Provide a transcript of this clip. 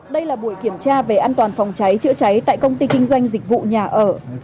đây là buổi kiểm tra về an toàn phòng cháy chữa cháy tại công ty kinh doanh dịch vụ nhà ở